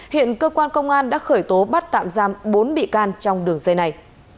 hiện cơ quan công an đã khởi tố bắt tạm giam bốn bị can trong đường dây này